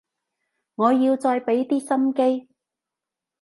我要再畀啲心機